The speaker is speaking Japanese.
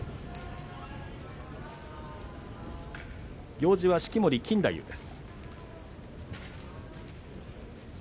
行司は式守錦太夫です。